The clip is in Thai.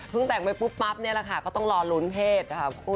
เพิ่งแต่งไปปุ๊บปั๊บเนี่ยแหละค่ะก็ต้องรอนรุ้นเพศนะคะ